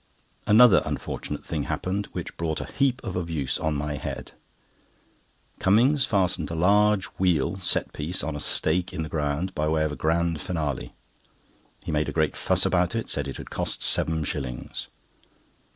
Another unfortunate thing happened, which brought a heap of abuse on my head. Cummings fastened a large wheel set piece on a stake in the ground by way of a grand finale. He made a great fuss about it; said it cost seven shillings.